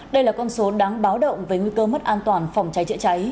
đây là con số đáng báo động về nguy cơ mất an toàn phòng cháy chữa cháy